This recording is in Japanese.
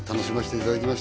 いただきます